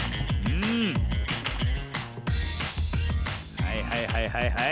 はいはいはいはいはい。